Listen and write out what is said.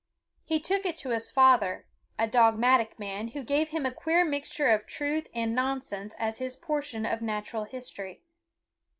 He took it to his father, a dogmatic man, who gave him a queer mixture of truth and nonsense as his portion of natural history.